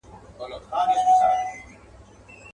که محشر نه دی نو څه دی.